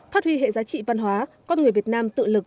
thất huy hệ giá trị văn hóa con người việt nam tự lực tự cường